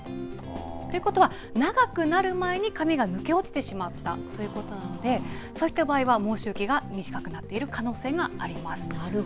ということは、長くなる前に髪が抜け落ちてしまったということなので、そういった場合は毛周期が短くなっている可能性があります。